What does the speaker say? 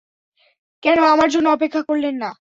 কেন আমার জন্য অপেক্ষা করলেন না?